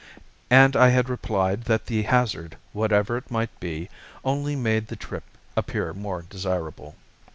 And I had replied that the hazard, whatever it might be, only made the trip appear more desirable.